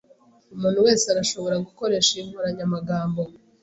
Umuntu wese arashobora gukoresha iyi nkoranyamagambo.